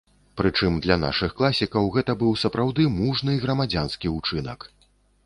Прычым для нашых класікаў гэта быў сапраўды мужны грамадзянскі ўчынак.